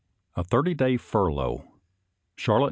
XXI A THIETY DAY FTJELOUGH Charlotte, N.